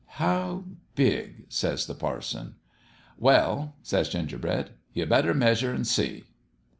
"' How big ?' says the parson. "' Well,' says Gingerbread, ' you better meas ure an' see.'